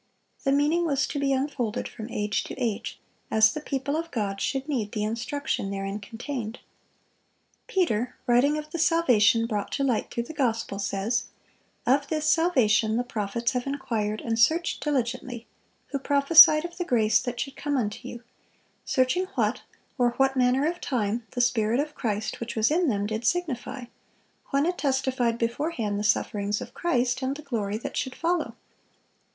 The meaning was to be unfolded from age to age, as the people of God should need the instruction therein contained. Peter, writing of the salvation brought to light through the gospel, says: Of this salvation "the prophets have inquired and searched diligently, who prophesied of the grace that should come unto you: searching what, or what manner of time the Spirit of Christ which was in them did signify, when it testified beforehand the sufferings of Christ, and the glory that should follow.